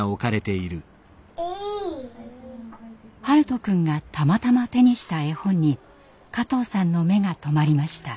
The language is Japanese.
大翔くんがたまたま手にした絵本に加藤さんの目が留まりました。